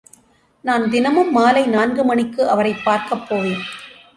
நான் தினமும் மாலை நான்கு மணிக்கு அவரைப் பார்க்கப் போவேன்.